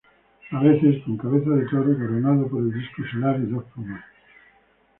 A veces, con cabeza de toro, coronado por el disco solar y dos plumas.